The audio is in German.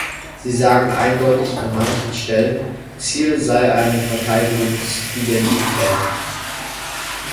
Sie sagen eindeutig an manchen Stellen, Ziel sei eine Verteidigungsidentität.